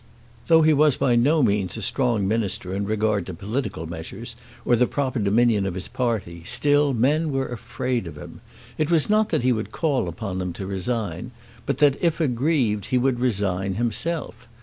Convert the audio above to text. Though he was by no means a strong Minister in regard to political measures, or the proper dominion of his party, still men were afraid of him. It was not that he would call upon them to resign, but that, if aggrieved, he would resign himself.